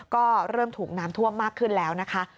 ก็เริ่มถูกน้ำท่วมมากขึ้นแล้วนะคะ